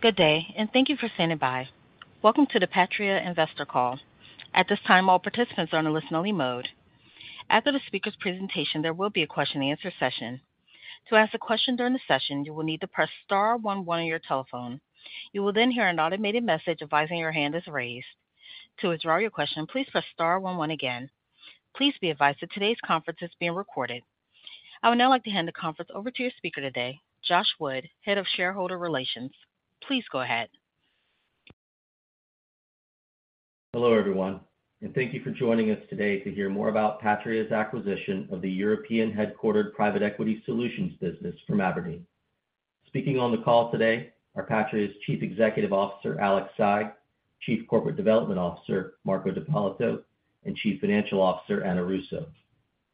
Good day, and thank you for standing by. Welcome to the Patria Investor Call. At this time, all participants are on a listen-only mode. After the speaker's presentation, there will be a question-and-answer session. To ask a question during the session, you will need to press star one one on your telephone. You will then hear an automated message advising your hand is raised. To withdraw your question, please press star one one again. Please be advised that today's conference is being recorded. I would now like to hand the conference over to your speaker today, Josh Wood, Head of Shareholder Relations. Please go ahead. Hello, everyone, and thank you for joining us today to hear more about Patria's acquisition of the European-headquartered private equity solutions business from Abrdn. Speaking on the call today are Patria's Chief Executive Officer, Alex Saigh, Chief Corporate Development Officer, Marco D'Ippolito, and Chief Financial Officer, Ana Russo.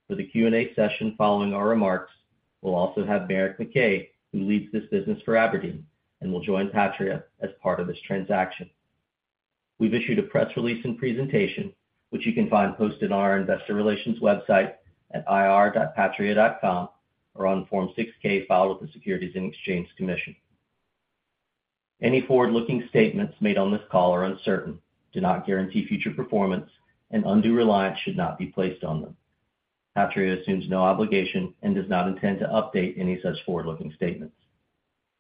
For the Q&A session following our remarks, we'll also have Merrick McKay, who leads this business for Abrdn and will join Patria as part of this transaction. We've issued a press release and presentation, which you can find posted on our investor relations website at ir.patria.com or on Form 6-K filed with the Securities and Exchange Commission. Any forward-looking statements made on this call are uncertain, do not guarantee future performance, and undue reliance should not be placed on them. Patria assumes no obligation and does not intend to update any such forward-looking statements.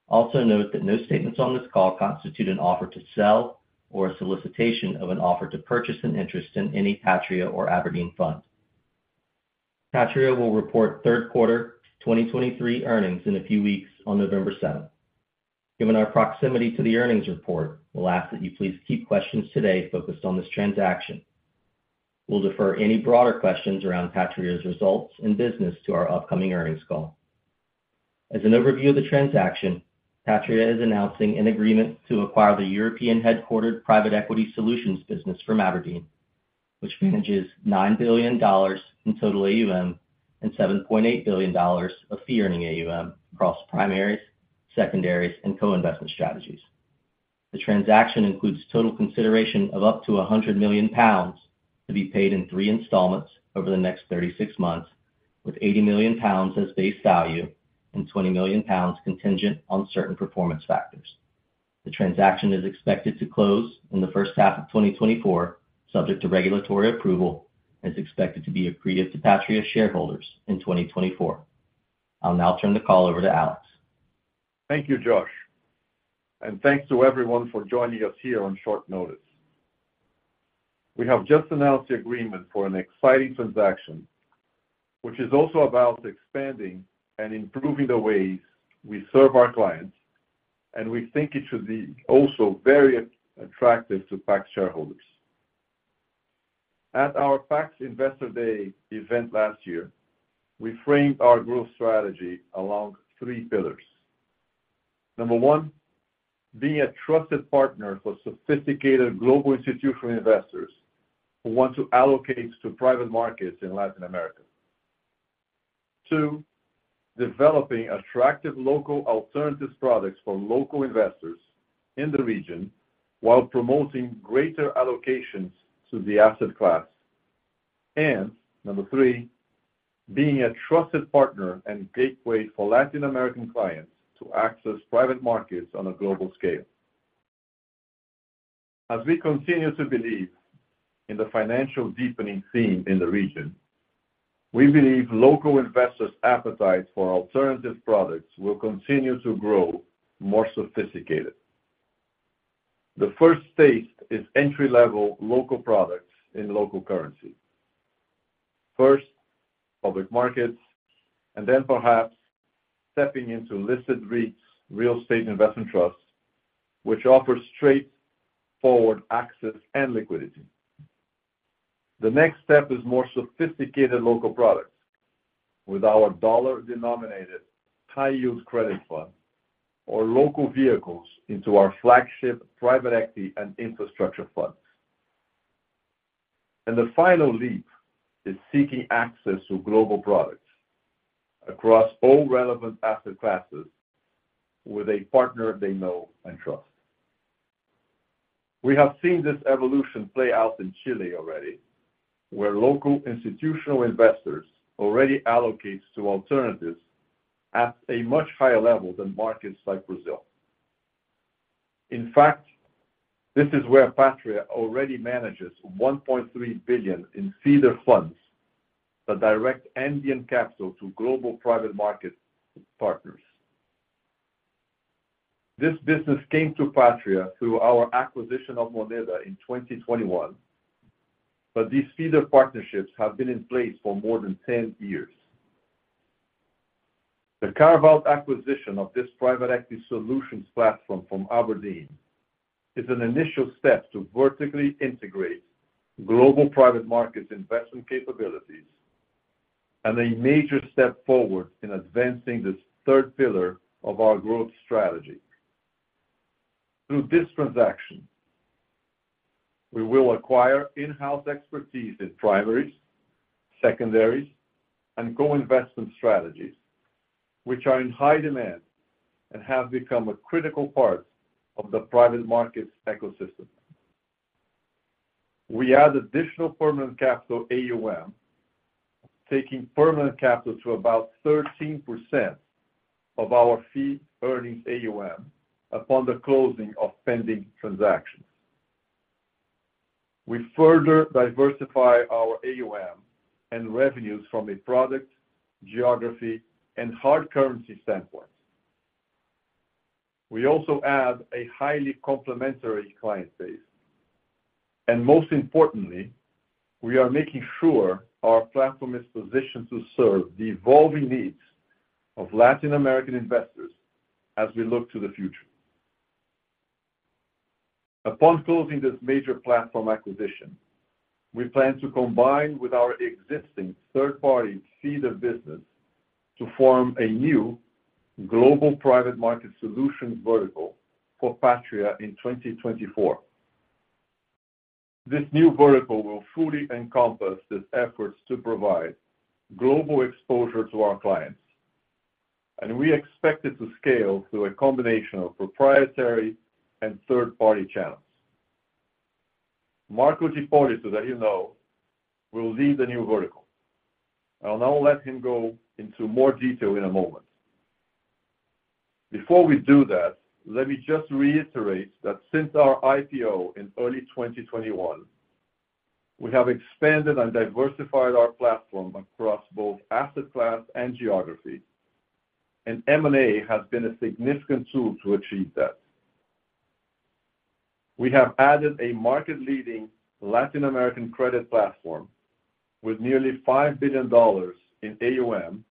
Also note that no statements on this call constitute an offer to sell or a solicitation of an offer to purchase an interest in any Patria or abrdn fund. Patria will report third quarter 2023 earnings in a few weeks on November 7. Given our proximity to the earnings report, we'll ask that you please keep questions today focused on this transaction. We'll defer any broader questions around Patria's results and business to our upcoming earnings call. As an overview of the transaction, Patria is announcing an agreement to acquire the European-headquartered private equity solutions business from abrdn, which manages $9 billion in total AUM and $7.8 billion of fee-earning AUM across primaries, secondaries, and co-investment strategies. The transaction includes total consideration of up to 100 million pounds to be paid in three installments over the next 36 months, with 80 million pounds as base value and 20 million pounds contingent on certain performance factors. The transaction is expected to close in the first half of 2024, subject to regulatory approval, and is expected to be accretive to Patria's shareholders in 2024. I'll now turn the call over to Alex. Thank you, Josh, and thanks to everyone for joining us here on short notice. We have just announced the agreement for an exciting transaction, which is also about expanding and improving the ways we serve our clients, and we think it should be also very attractive to PAX shareholders. At our PAX Investor Day event last year, we framed our growth strategy along three pillars. Number 1, being a trusted partner for sophisticated global institutional investors who want to allocate to private markets in Latin America. 2, developing attractive local alternatives products for local investors in the region while promoting greater allocations to the asset class. Number 3, being a trusted partner and gateway for Latin American clients to access private markets on a global scale. As we continue to believe in the financial deepening theme in the region, we believe local investors' appetite for alternative products will continue to grow more sophisticated. The first stage is entry-level local products in local currency. First, public markets, and then perhaps stepping into listed REITs, Real Estate Investment Trusts, which offer straightforward access and liquidity. The next step is more sophisticated local products with our dollar-denominated high-yield credit fund or local vehicles into our flagship private equity and infrastructure funds. The final leap is seeking access to global products across all relevant asset classes with a partner they know and trust. We have seen this evolution play out in Chile already, where local institutional investors already allocate to alternatives at a much higher level than markets like Brazil. In fact, this is where Patria already manages $1.3 billion in feeder funds that direct Andean capital to global private market partners. This business came to Patria through our acquisition of Moneda in 2021, but these feeder partnerships have been in place for more than 10 years. The carve-out acquisition of this private equity solutions platform from abrdn is an initial step to vertically integrate global private markets investment capabilities and a major step forward in advancing this third pillar of our growth strategy. Through this transaction, we will acquire in-house expertise in primaries, secondaries, and co-investment strategies, which are in high demand and have become a critical part of the private markets ecosystem. We add additional permanent capital AUM, taking permanent capital to about 13% of our fee-earning AUM upon the closing of pending transactions. We further diversify our AUM and revenues from a product, geography, and hard currency standpoint. We also add a highly complementary client base, and most importantly, we are making sure our platform is positioned to serve the evolving needs of Latin American investors as we look to the future. Upon closing this major platform acquisition, we plan to combine with our existing third-party feeder business to form a new Global Private Markets Solutions vertical for Patria in 2024. This new vertical will fully encompass these efforts to provide global exposure to our clients, and we expect it to scale through a combination of proprietary and third-party channels. Marco D'Ippolito, that you know, will lead the new vertical. I'll now let him go into more detail in a moment. Before we do that, let me just reiterate that since our IPO in early 2021, we have expanded and diversified our platform across both asset class and geography, and M&A has been a significant tool to achieve that. We have added a market-leading Latin American credit platform with nearly $5 billion in AUM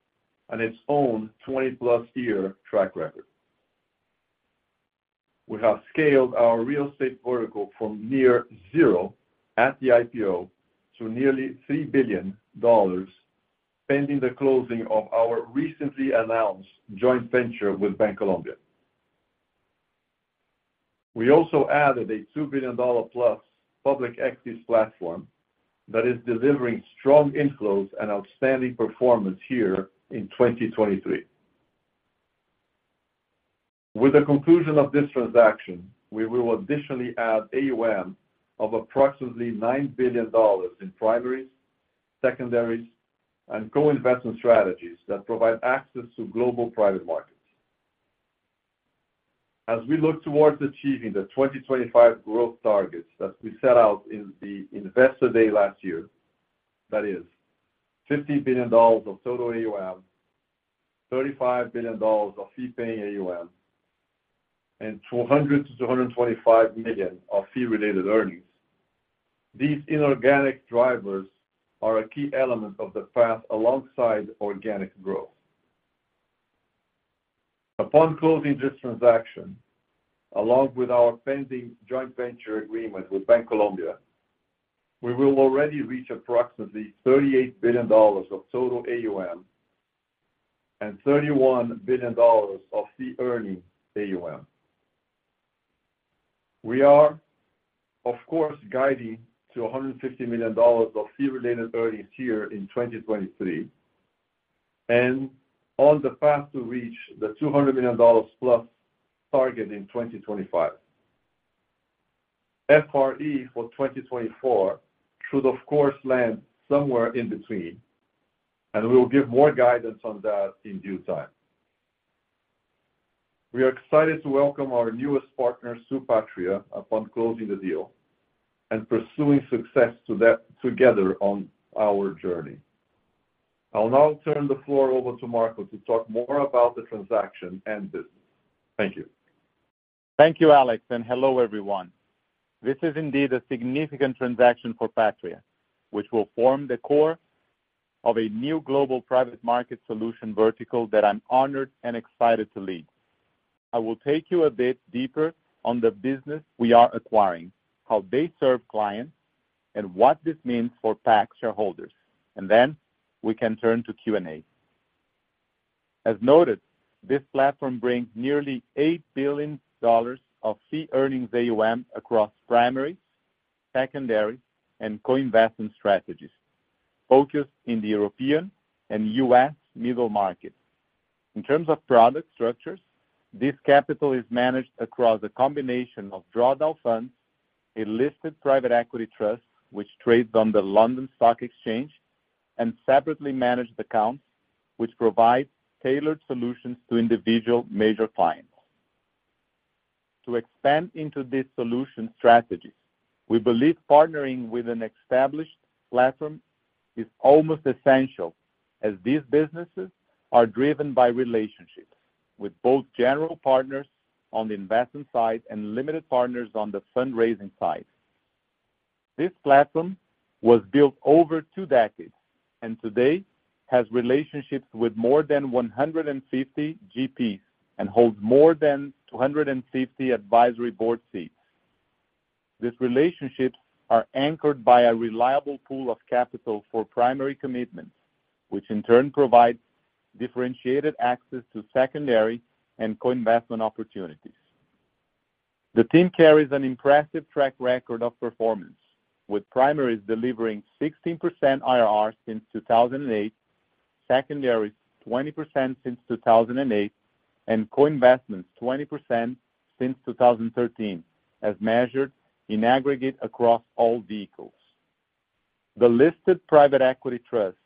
and its own 20+ year track record. We have scaled our real estate vertical from near zero at the IPO to nearly $3 billion, pending the closing of our recently announced joint venture with Bancolombia. We also added a $2 billion+ public equities platform that is delivering strong inflows and outstanding performance here in 2023. With the conclusion of this transaction, we will additionally add AUM of approximately $9 billion in primaries, secondaries, and co-investment strategies that provide access to global private markets. As we look towards achieving the 2025 growth targets that we set out in the Investor Day last year, that is $50 billion of total AUM, $35 billion of fee-paying AUM, and $200 million-$225 million of fee-related earnings. These inorganic drivers are a key element of the path alongside organic growth. Upon closing this transaction, along with our pending joint venture agreement with Bancolombia, we will already reach approximately $38 billion of total AUM and $31 billion of fee-earning AUM. We are, of course, guiding to $150 million of fee-related earnings here in 2023, and on the path to reach the $200 million+ target in 2025. FRE for 2024 should, of course, land somewhere in between, and we will give more guidance on that in due time. We are excited to welcome our newest partner to Patria upon closing the deal and pursuing success to that together on our journey. I'll now turn the floor over to Marco to talk more about the transaction and business. Thank you. Thank you, Alex, and hello, everyone. This is indeed a significant transaction for Patria, which will form the core of a new global private market solution vertical that I'm honored and excited to lead. I will take you a bit deeper on the business we are acquiring, how they serve clients, and what this means for PAX shareholders, and then we can turn to Q&A. As noted, this platform brings nearly $8 billion of fee earning AUM across primaries, secondaries, and co-investment strategies focused in the European and U.S. middle market. In terms of product structures, this capital is managed across a combination of drawdown funds, a listed private equity trust, which trades on the London Stock Exchange, and separately managed accounts, which provide tailored solutions to individual major clients. To expand into this solution strategy, we believe partnering with an established platform is almost essential, as these businesses are driven by relationships with both general partners on the investment side and limited partners on the fundraising side. This platform was built over two decades, and today has relationships with more than 150 GPs, and holds more than 250 advisory board seats. These relationships are anchored by a reliable pool of capital for primary commitments, which in turn provides differentiated access to secondary and co-investment opportunities. The team carries an impressive track record of performance, with primaries delivering 16% IRR since 2008, secondaries 20% since 2008, and co-investments 20% since 2013, as measured in aggregate across all vehicles. The listed private equity trust,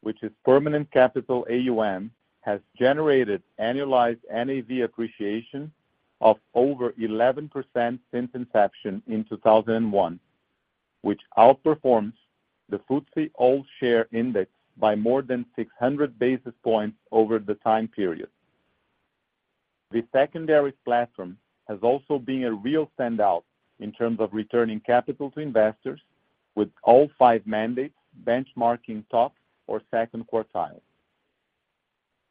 which is permanent capital AUM, has generated annualized NAV appreciation of over 11% since inception in 2001, which outperforms the FTSE All-Share Index by more than 600 basis points over the time period. The secondary platform has also been a real standout in terms of returning capital to investors, with all five mandates benchmarking top or second quartile.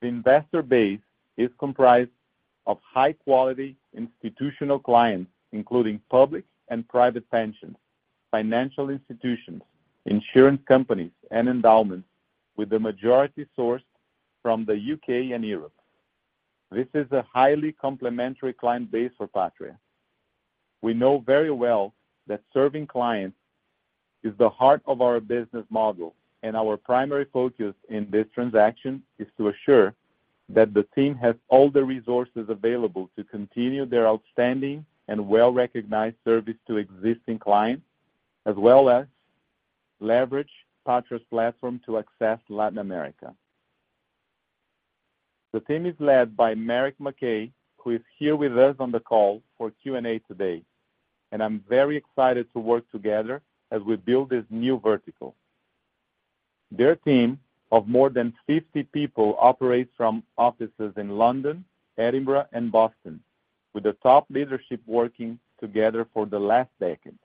The investor base is comprised of high-quality institutional clients, including public and private pensions, financial institutions, insurance companies, and endowments, with the majority sourced from the U.K. and Europe. This is a highly complementary client base for Patria. We know very well that serving clients is the heart of our business model, and our primary focus in this transaction is to assure that the team has all the resources available to continue their outstanding and well-recognized service to existing clients, as well as leverage Patria's platform to access Latin America. The team is led by Merrick McKay, who is here with us on the call for Q&A today, and I'm very excited to work together as we build this new vertical. Their team of more than 50 people operates from offices in London, Edinburgh, and Boston, with the top leadership working together for the last decade.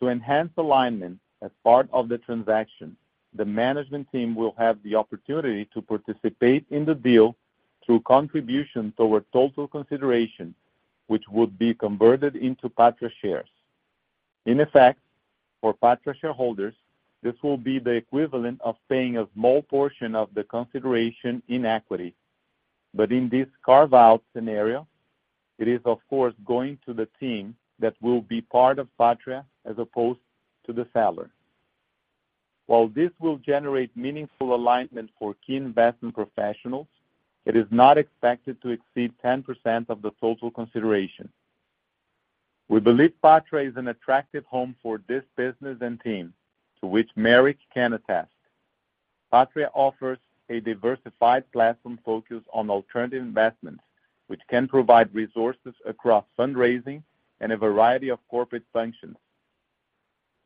To enhance alignment, as part of the transaction, the management team will have the opportunity to participate in the deal through contributions toward total consideration, which would be converted into Patria shares. In effect, for Patria shareholders, this will be the equivalent of paying a small portion of the consideration in equity. But in this carve-out scenario, it is of course, going to the team that will be part of Patria as opposed to the seller. While this will generate meaningful alignment for key investment professionals, it is not expected to exceed 10% of the total consideration. We believe Patria is an attractive home for this business and team, to which Merrick can attest. Patria offers a diversified platform focused on alternative investments, which can provide resources across fundraising and a variety of corporate functions,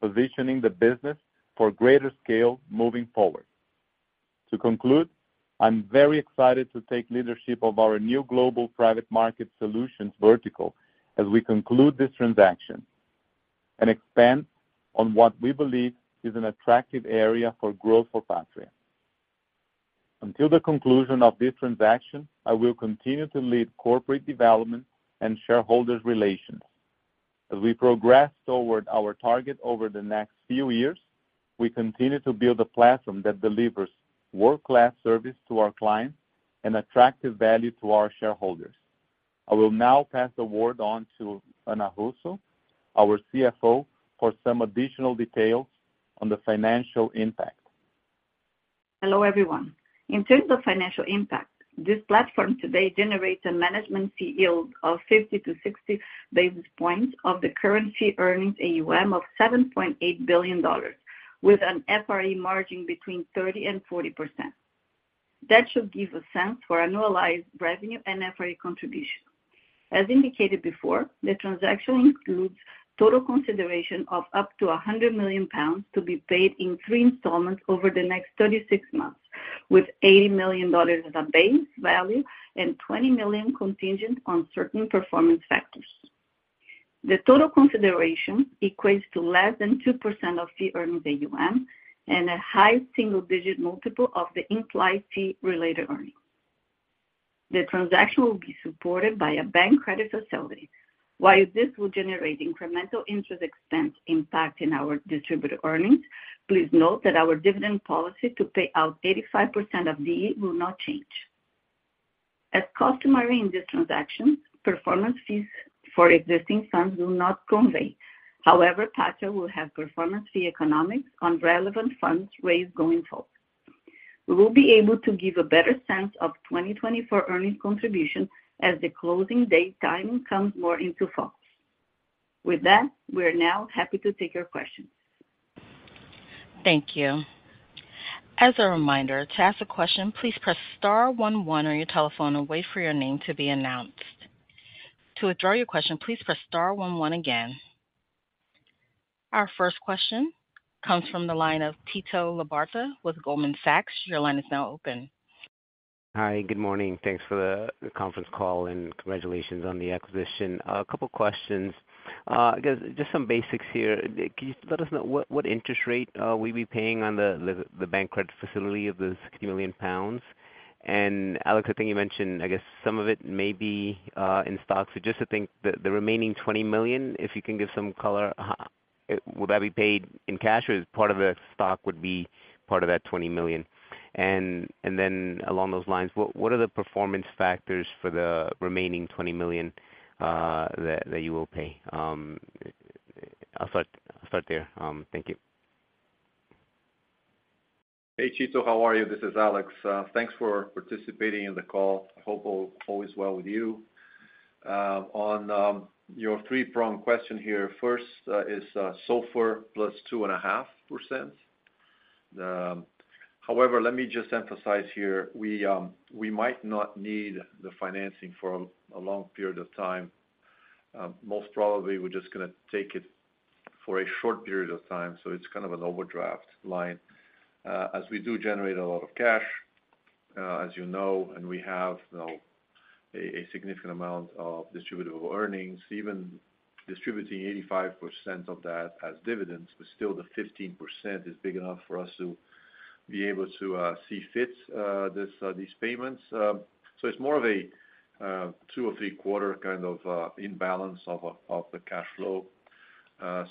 positioning the business for greater scale moving forward. To conclude, I'm very excited to take leadership of our new global private market solutions vertical as we conclude this transaction and expand on what we believe is an attractive area for growth for Patria. Until the conclusion of this transaction, I will continue to lead corporate development and shareholder relations. As we progress toward our target over the next few years, we continue to build a platform that delivers world-class service to our clients and attractive value to our shareholders. I will now pass the word on to Ana Russo, our CFO, for some additional details on the financial impact. Hello, everyone. In terms of financial impact, this platform today generates a management fee yield of 50-60 basis points of the current fee earnings AUM of $7.8 billion, with an FRE margin between 30%-40%. That should give a sense for annualized revenue and FRE contribution. As indicated before, the transaction includes total consideration of up to 100 million pounds to be paid in 3 installments over the next 36 months, with $80 million as a base value and $20 million contingent on certain performance factors. The total consideration equates to less than 2% of fee earned AUM and a high single-digit multiple of the implied fee-related earnings. The transaction will be supported by a bank credit facility. While this will generate incremental interest expense impact in our distributable earnings, please note that our dividend policy to pay out 85% of DE will not change. As customary in this transaction, performance fees for existing funds will not convey. However, Patria will have performance fee economics on relevant funds raised going forward. We will be able to give a better sense of 2024 earnings contribution as the closing date timing comes more into focus. With that, we are now happy to take your questions. Thank you. As a reminder, to ask a question, please press star one one on your telephone and wait for your name to be announced. To withdraw your question, please press star one one again. Our first question comes from the line of Tito Labarta with Goldman Sachs. Your line is now open. Hi, good morning. Thanks for the conference call and congratulations on the acquisition. A couple questions. I guess just some basics here. Can you let us know what interest rate will you be paying on the bank credit facility of the 60 million pounds? And Alex, I think you mentioned, I guess, some of it may be in stock. So just to think, the remaining 20 million, if you can give some color, will that be paid in cash, or is part of the stock would be part of that 20 million? And then along those lines, what are the performance factors for the remaining 20 million that you will pay? I'll start there. Thank you. Hey, Tito, how are you? This is Alex. Thanks for participating in the call. I hope all is well with you. On your three-prong question here, first, is SOFR plus 2.5%. However, let me just emphasize here, we might not need the financing for a long period of time. Most probably, we're just gonna take it for a short period of time, so it's kind of an overdraft line. As we do generate a lot of cash, as you know, and we have, you know, a significant amount of Distributable Earnings, even distributing 85% of that as dividends, but still the 15% is big enough for us to be able to self-fund these payments. So it's more of a 2- or 3-quarter kind of imbalance of the cash flow.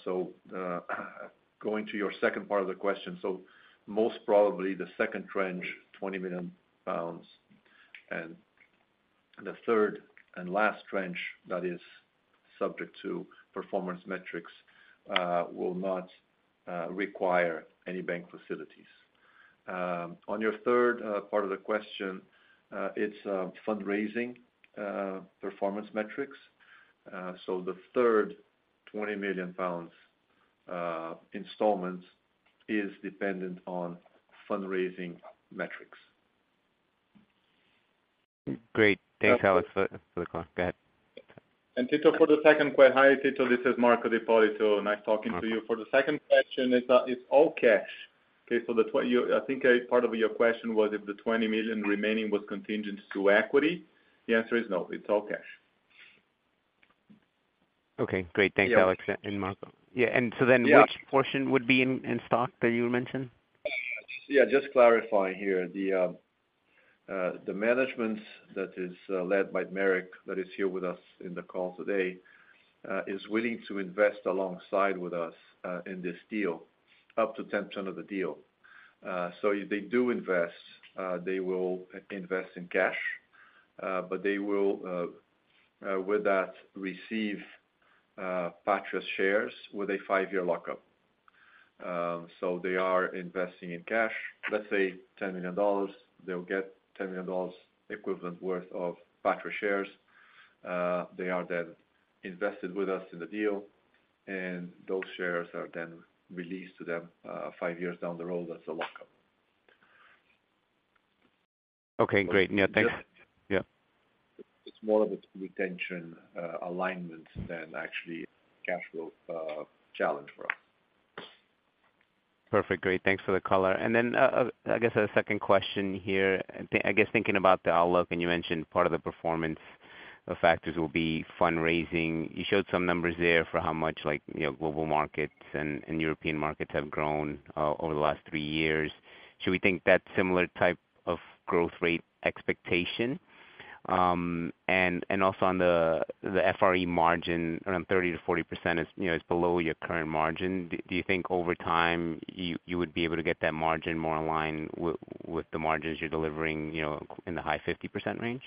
So, going to your second part of the question, so most probably the second tranche, 20 million pounds, and the third and last tranche that is subject to performance metrics will not require any bank facilities. On your third part of the question, it's fundraising performance metrics. So the third 20 million pounds installments is dependent on fundraising metrics. Great. Thanks, Alex, for the call. Go ahead. Tito, for the second question. Hi, Tito, this is Marco D'Ippolito. Nice talking to you. For the second question, it's all cash. Okay, so I think part of your question was if the $20 million remaining was contingent to equity? The answer is no, it's all cash. Okay, great. Yeah. Thanks, Alex and Marco. Yeah, and so then- Yeah. Which portion would be in stock that you mentioned? Yeah, just clarifying here. The management that is led by Merrick, that is here with us in the call today, is willing to invest alongside with us in this deal, up to 10% of the deal. So if they do invest, they will invest in cash, but they will with that receive Patria's shares with a five-year lockup. So they are investing in cash, let's say $10 million. They'll get $10 million equivalent worth of Patria shares. They are then invested with us in the deal, and those shares are then released to them five years down the road, that's a lockup. Okay, great. Yeah, thanks. Yeah. It's more of a retention, alignment than actually cash flow, challenge for us. Perfect, great, thanks for the color. And then, I guess a second question here. I guess thinking about the outlook, and you mentioned part of the performance, factors will be fundraising. You showed some numbers there for how much, like, you know, global markets and, and European markets have grown, over the last three years. Should we think that similar type of growth rate expectation? And also on the FRE margin, around 30%-40% is, you know, is below your current margin. Do you think over time, you would be able to get that margin more in line with the margins you're delivering, you know, in the high 50% range?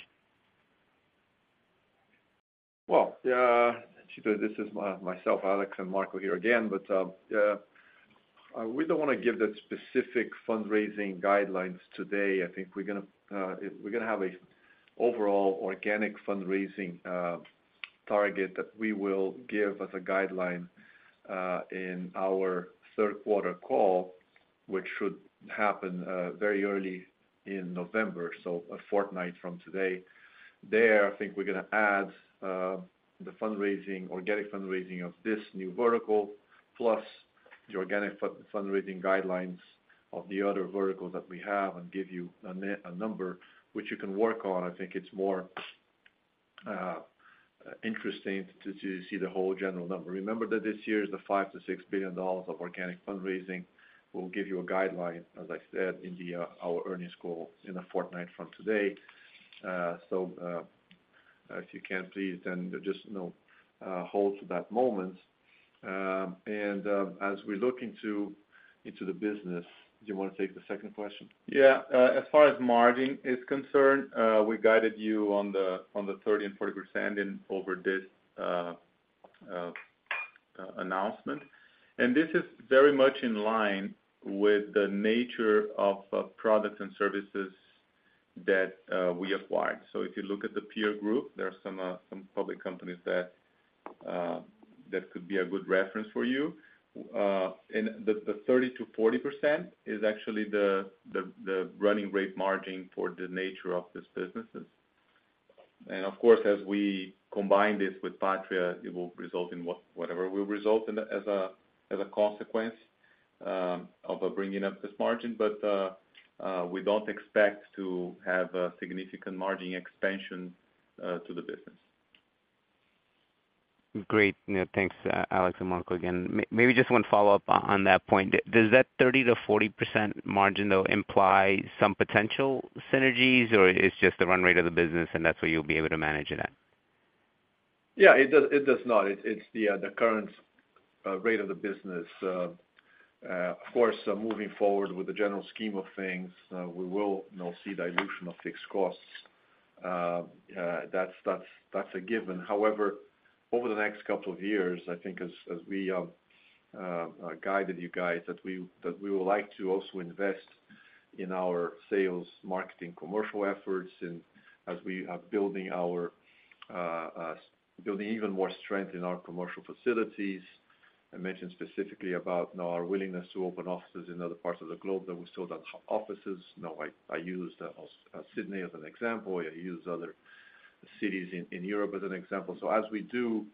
Well, Tito, this is myself, Alex, and Marco here again. But, we don't want to give the specific fundraising guidelines today. I think we're gonna have a overall organic fundraising target that we will give as a guideline in our third quarter call, which should happen very early in November, so a fortnight from today. There, I think we're gonna add the fundraising, organic fundraising of this new vertical, plus the organic fundraising guidelines of the other verticals that we have, and give you a number which you can work on. I think it's more interesting to see the whole general number. Remember that this year, the $5 billion-$6 billion of organic fundraising will give you a guideline, as I said, in our earnings call in a fortnight from today. So, if you can please, then just, you know, hold to that moment. And, as we look into the business. Do you want to take the second question? Yeah. As far as margin is concerned, we guided you on the 30%-40% and over this announcement. And this is very much in line with the nature of products and services that we acquired. So if you look at the peer group, there are some some public companies that that could be a good reference for you. And the thirty to forty percent is actually the running rate margin for the nature of these businesses. And of course, as we combine this with Patria, it will result in what- whatever will result in the, as a, as a consequence, of bringing up this margin. But we don't expect to have a significant margin expansion to the business. Great. Yeah, thanks, Alex and Marco, again. Maybe just one follow-up on that point. Does that 30%-40% margin, though, imply some potential synergies, or it's just the run rate of the business, and that's where you'll be able to manage it at? Yeah, it does. It does not. It's the current rate of the business. Of course, moving forward with the general scheme of things, we will, you know, see dilution of fixed costs. that's a given. However, over the next couple of years, I think as we guided you guys, that we would like to also invest in our sales, marketing, commercial efforts, and as we are building even more strength in our commercial facilities. I mentioned specifically about, you know, our willingness to open offices in other parts of the globe, that we still don't have offices. Now, I used Sydney as an example. I used other cities in Europe as an example. So as we do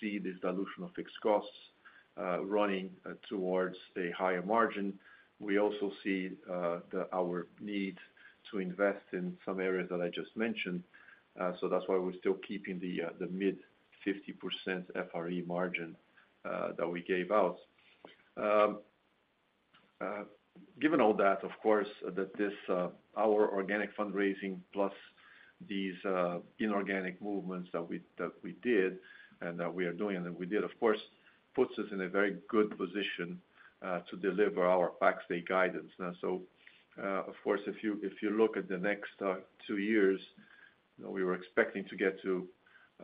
see this dilution of fixed costs running towards a higher margin, we also see our need to invest in some areas that I just mentioned. So that's why we're still keeping the mid-50% FRE margin that we gave out. Given all that, of course, this our organic fundraising plus these inorganic movements that we did and that we are doing, of course, puts us in a very good position to deliver our PAX day guidance. Now, of course, if you look at the next two years, we were expecting to get to,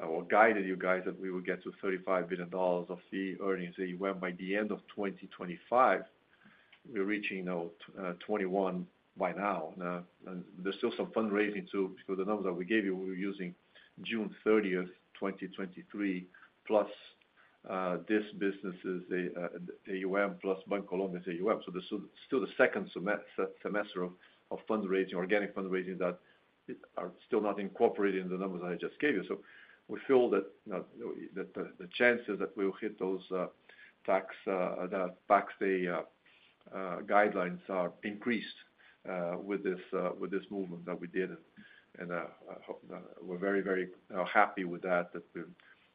or guided you guys that we would get to, $35 billion of fee-earning AUM by the end of 2025. We're reaching now $21 billion by now. Now, there's still some fundraising too, because the numbers that we gave you, we were using June 30, 2023, plus this businesses the AUM, plus Bancolombia's AUM. So this is still the second semester of fundraising, organic fundraising that is are still not incorporated in the numbers I just gave you. So we feel that, you know, that the chances that we'll hit those PAX guidelines are increased with this movement that we did, and we're very, very happy with that, that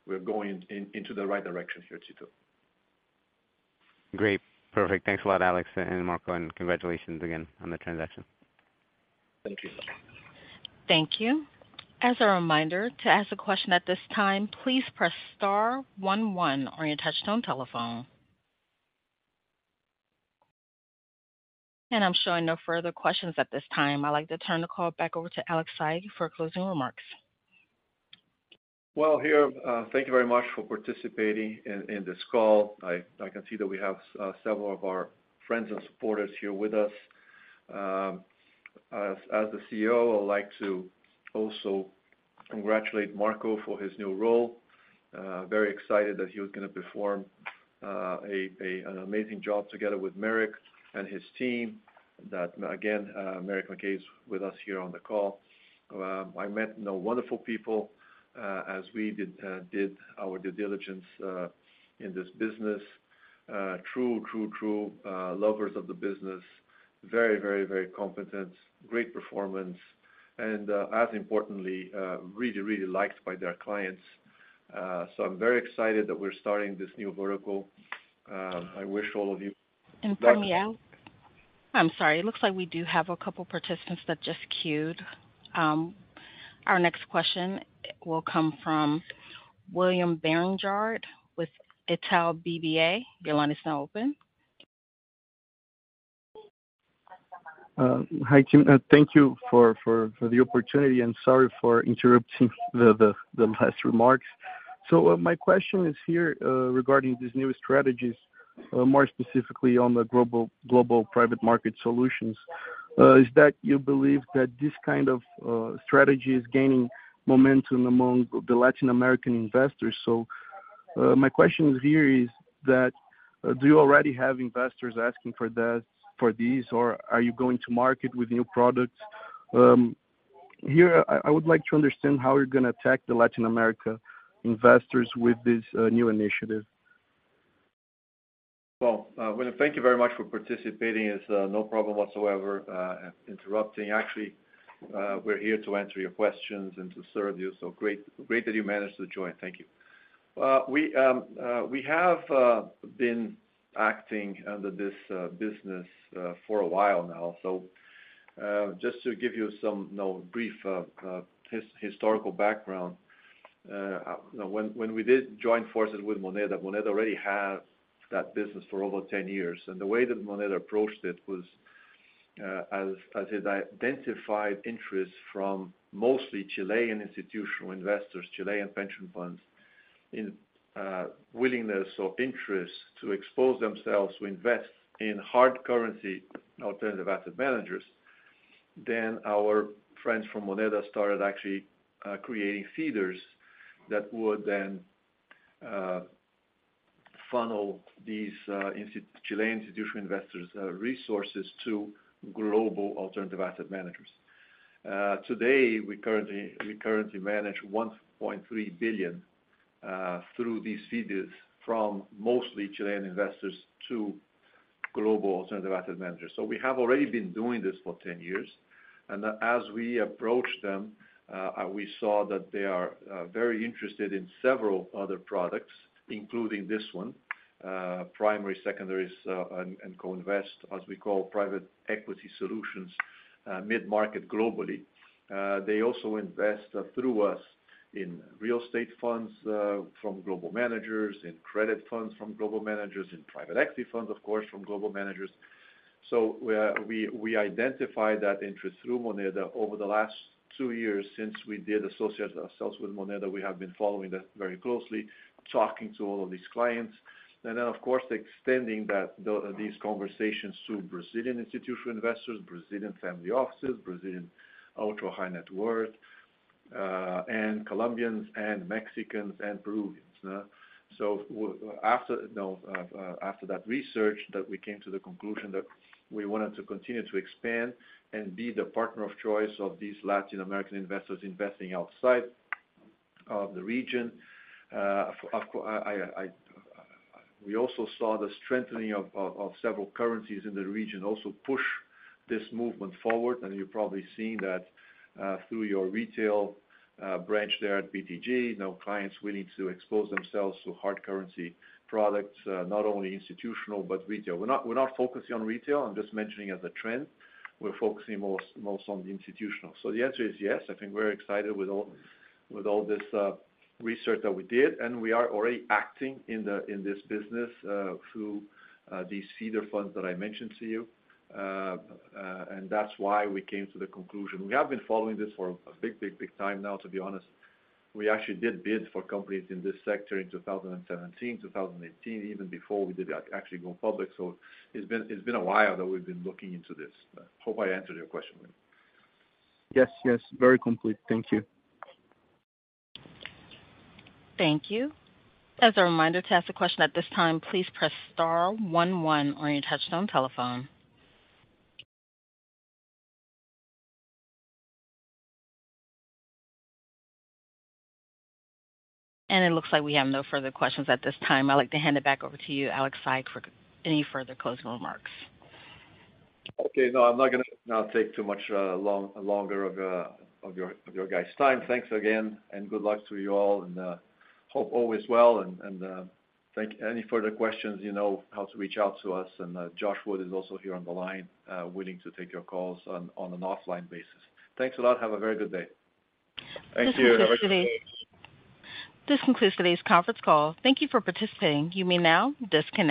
we're going into the right direction here, Tito. Great. Perfect. Thanks a lot, Alex and Marco, and congratulations again on the transaction. Thank you. Thank you. As a reminder, to ask a question at this time, please press star one one on your touchtone telephone. I'm showing no further questions at this time. I'd like to turn the call back over to Alex Saigh for closing remarks. Well, here, thank you very much for participating in this call. I can see that we have several of our friends and supporters here with us. As the CEO, I would like to also congratulate Marco for his new role. Very excited that he was gonna perform an amazing job together with Merrick and his team. That again, Merrick is with us here on the call. I met wonderful people as we did our due diligence in this business. True lovers of the business. Very competent, great performance, and as importantly, really liked by their clients. So I'm very excited that we're starting this new vertical. I wish all of you- For me, I'm sorry. It looks like we do have a couple participants that just queued. Our next question will come from William Barranjard with Itaú BBA. Your line is now open. Hi, team, thank you for the opportunity, and sorry for interrupting the last remarks. So my question is here regarding these new strategies, more specifically on the Global Private Markets Solutions. Is that you believe that this kind of strategy is gaining momentum among the Latin American investors? So my question here is that, do you already have investors asking for this, for these, or are you going to market with new products? Here, I would like to understand how you're gonna attack the Latin America investors with this new initiative. Well, William, thank you very much for participating. It's no problem whatsoever interrupting. Actually, we're here to answer your questions and to serve you. So great, great that you managed to join. Thank you. We have been acting under this business for a while now. So, just to give you some, you know, brief historical background, you know, when we did join forces with Moneda, Moneda already had that business for over 10 years. And the way that Moneda approached it was, as it identified interest from mostly Chilean institutional investors, Chilean pension funds, in willingness or interest to expose themselves to invest in hard currency, alternative asset managers. Then our friends from Moneda started actually creating feeders that would then funnel these Chilean institutional investors resources to global alternative asset managers. Today, we currently manage $1.3 billion through these feeders from mostly Chilean investors to global alternative asset managers. So we have already been doing this for 10 years, and as we approach them, we saw that they are very interested in several other products, including this one, primary, secondaries, and co-invest, as we call private equity solutions, mid-market globally.... They also invest through us in real estate funds from global managers, in credit funds from global managers, in private equity funds, of course, from global managers. We identify that interest through Moneda over the last two years since we did associate ourselves with Moneda. We have been following that very closely, talking to all of these clients. And then, of course, extending that, these conversations to Brazilian institutional investors, Brazilian family offices, Brazilian ultra high net worth, and Colombians and Mexicans and Peruvians. After that research, you know, we came to the conclusion that we wanted to continue to expand and be the partner of choice of these Latin American investors investing outside of the region. Of course, we also saw the strengthening of several currencies in the region also push this movement forward, and you've probably seen that through your retail branch there at BTG. You know, clients willing to expose themselves to hard currency products, not only institutional, but retail. We're not, we're not focusing on retail. I'm just mentioning as a trend. We're focusing most, most on the institutional. So the answer is yes. I think we're excited with all, with all this research that we did, and we are already acting in this business through these feeder funds that I mentioned to you. And that's why we came to the conclusion. We have been following this for a big, big, big time now, to be honest. We actually did bid for companies in this sector in 2017, 2018, even before we did actually go public. So it's been, it's been a while that we've been looking into this. Hope I answered your question. Yes, yes, very complete. Thank you. Thank you. As a reminder, to ask a question at this time, please press star one one on your touchtone telephone. It looks like we have no further questions at this time. I'd like to hand it back over to you, Alex Saigh, for any further closing remarks. Okay, no, I'm not going to now take too much longer of your guys' time. Thanks again, and good luck to you all, and hope all is well, and thank you. Any further questions, you know how to reach out to us, and Josh Wood is also here on the line, willing to take your calls on an offline basis. Thanks a lot. Have a very good day. Thank you. This concludes today's conference call. Thank you for participating. You may now disconnect.